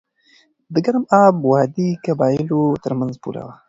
د ګرم آب وادي د قبایلو ترمنځ پوله وه.